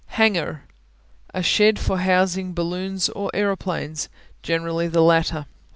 Hangar (hang'ar) A shed for housing balloons or aeroplanes, generally the latter.